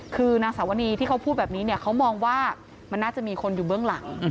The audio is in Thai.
คือนางสาวนีที่เขาพูดแบบนี้เนี่ยเขามองว่ามันน่าจะมีคนอยู่เบื้องหลัง